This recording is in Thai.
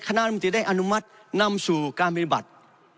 คณะรัฐมนตรีได้อนุมัตินำสู่การปฏิบัติ